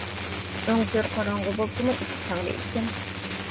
ئۆڭكۈر قاراڭغۇ بولسىمۇ ئىچى كەڭرى ئىكەن.